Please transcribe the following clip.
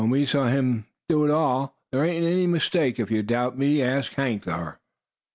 We saw him do it all, so there ain't any mistake. If you doubt me, ask Hank there."